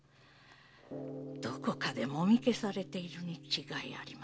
どこかでもみ消されているに違いありません。